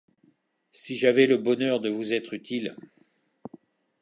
Si j'avais le bonheur de pouvoir vous être utile.